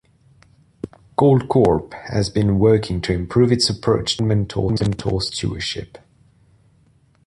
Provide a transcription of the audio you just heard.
Goldcorp has been working to improve its approach to environmental stewardship.